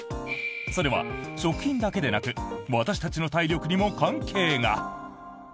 それは食品だけでなく私たちの体力にも関係が。